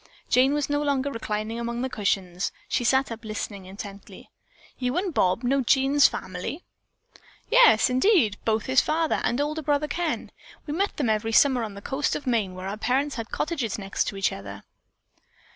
Jane was no longer reclining among the cushions. She sat up, listening intently. "You and Bob know Jean's family?" "Yes, indeed, both his father and older brother Ken. We met them every summer on the coast of Maine, where our parents had cottages next to each other."